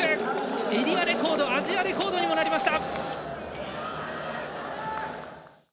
エリアレコードアジアレコードにもなりました。